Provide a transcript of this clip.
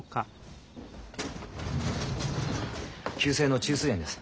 急性の虫垂炎です。